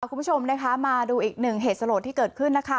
คุณผู้ชมนะคะมาดูอีกหนึ่งเหตุสลดที่เกิดขึ้นนะคะ